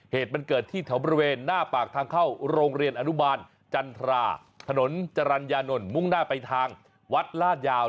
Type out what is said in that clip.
เหตุมันเกิดที่แถวบริเวณหน้าปากทางเข้าโรงเรียนอนุบาลจันทราถนนจรรยานนท์มุ่งหน้าไปทางวัดลาดยาว